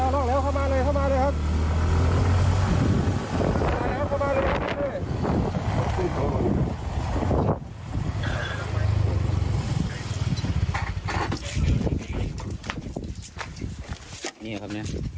รอบเร็วเข้ามาเลยเข้ามาเลยครับ